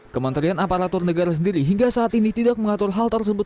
kementerian aparatur negara sendiri hingga saat ini tidak mengatur hal tersebut